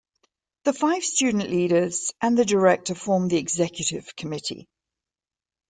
The five student leaders and the Director form the Executive Committee.